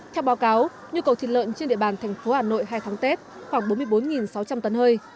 theo báo cáo nhu cầu thịt lợn trên địa bàn thành phố hà nội hai tháng tết khoảng bốn mươi bốn sáu trăm linh tấn hơi